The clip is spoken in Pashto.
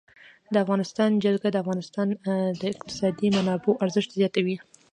د افغانستان جلکو د افغانستان د اقتصادي منابعو ارزښت زیاتوي.